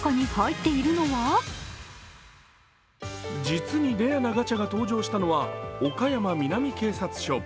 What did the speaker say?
実にレアなガチャが登場したのは岡山南警察署。